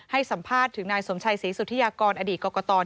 ให้สัมภาษณ์ถึงนายสมชัยศรีสุธิยากรอดีตกรกต